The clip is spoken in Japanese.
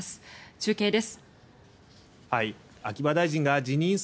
中継です。